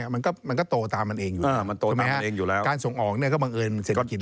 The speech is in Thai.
มันก็โตตามันเองอยู่แล้วการส่งออกคือก็บังเอิญ